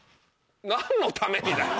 何のためにだよ！